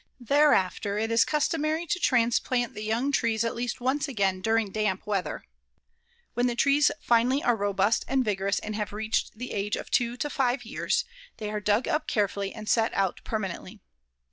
Thereafter it is customary to transplant the young trees at least once again during damp weather. When the trees finally are robust and vigorous and have reached the age of two to five years, they are dug up carefully and set out permanently.